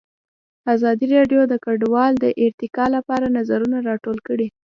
ازادي راډیو د کډوال د ارتقا لپاره نظرونه راټول کړي.